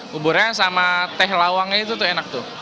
buburnya sama teh lawangnya itu tuh enak tuh